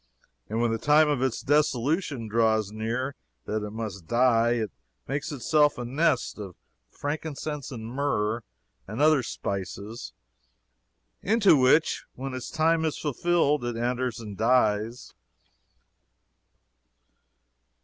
And when the time of its dissolution draws near, that it must die, it makes itself a nest of frankincense, and myrrh, and other spices, into which, when its time is fulfilled, it enters and dies.